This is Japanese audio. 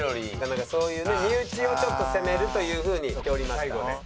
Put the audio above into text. なんかそういうね身内をちょっと攻めるという風に言っておりました。